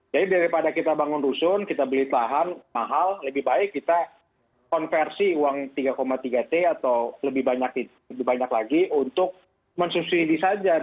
jadi daripada kita bangun rusun kita beli lahan mahal lebih baik kita konversi uang tiga tiga t atau lebih banyak lagi untuk mensubsidi saja